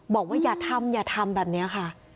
บอกว่าอย่าทำอย่าทำแบบนี้ค่ะ